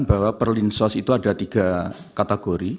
bahwa perlinsos itu ada tiga kategori